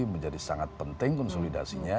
menjadi sangat penting konsolidasinya